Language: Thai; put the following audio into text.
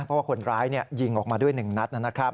เพราะว่าคนร้ายยิงออกมาด้วย๑นัดนะครับ